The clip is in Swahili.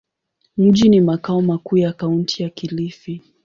Mji ni makao makuu ya Kaunti ya Kilifi.